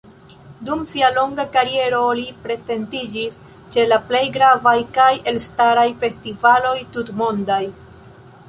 Dum sia longa kariero li prezentiĝis ĉe la plej gravaj kaj elstaraj festivaloj tutmondaj.